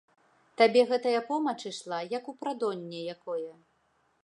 Табе гэтая помач ішла, як у прадонне якое.